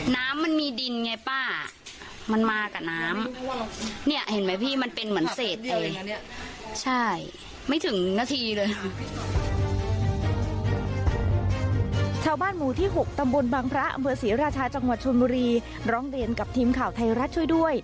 น้ำมันมีดินไงป้ามันมากับน้ำเนี่ยเห็นไหมพี่มันเป็นเหมือนเสร็จ